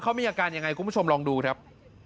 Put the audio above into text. เขามีอาการยังไงคุณผู้ชมลองดูครับ